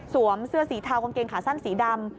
เสื้อสีเทากางเกงขาสั้นสีดำ